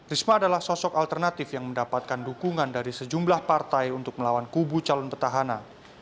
risma adalah sosok alternatif yang mendapatkan dukungan dari sejumlah partai untuk melawan kubu calon petahana